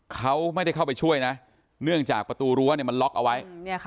เขาไม่ได้เข้าไปช่วยนะเนื่องจากประตูรั้วมันล็อกเอาไว้